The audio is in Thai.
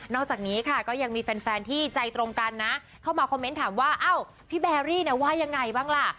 จากนี้ค่ะก็ยังมีแฟนที่ใจตรงกันนะเข้ามาคอมเมนต์ถามว่าเอ้าพี่แบรี่เนี่ยว่ายังไงบ้างล่ะ